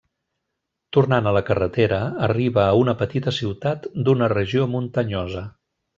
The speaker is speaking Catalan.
Tornant a la carretera, arriba a una petita ciutat d'una regió muntanyosa.